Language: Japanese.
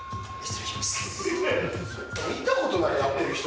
見たことない、やってる人。